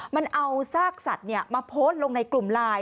มันเอาซากสัตว์มาโพสต์ลงในกลุ่มไลน์